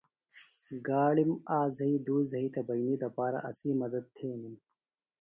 گاڑِم آک زھئی دُئی زھئی تھےۡ بئنی دپارہ اسی مدد تھینِم۔